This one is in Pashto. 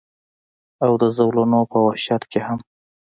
او د زولنو پۀ وحشت کښې هم